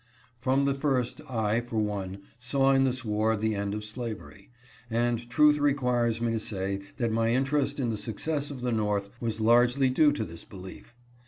'" From the first, I, for one, saw in this war the end of slavery ; and truth requires me to say that my interest in the success of the North was largely due to this belief.